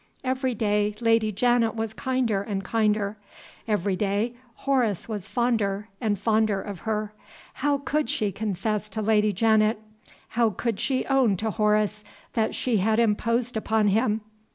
Every day Lady Janet was kinder and kinder. Every day Horace was fonder and fonder of her. How could she confess to Lady Janet? how could she own to Horace that she had imposed upon him?